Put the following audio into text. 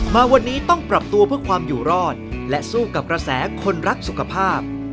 มาวันนี้ต้องปรับตัวเพื่อความอยู่รอดและสู้กับกระแสคนรักสุขภาพ